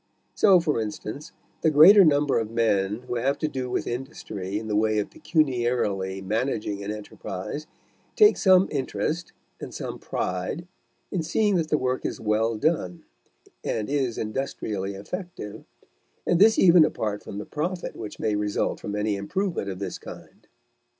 So, for instance, the greater number of men who have to do with industry in the way of pecuniarily managing an enterprise take some interest and some pride in seeing that the work is well done and is industrially effective, and this even apart from the profit which may result from any improvement of this kind.